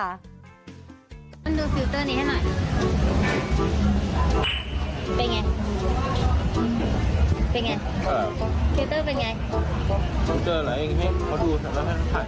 ว่ามันน่ารักขนาดไหนค่ะ